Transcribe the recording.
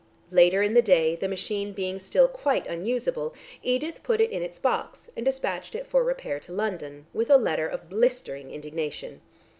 Later in the day, the machine being still quite unuseable, Edith put it into its box and despatched it for repair to London, with a letter of blistering indignation.